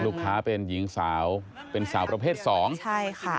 ดูคลิปกันก่อนนะครับแล้วเดี๋ยวมาเล่าให้ฟังนะครับ